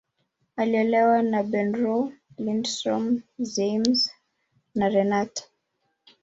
Aliolewa na Bernow, Lindström, Ziems, na Renat.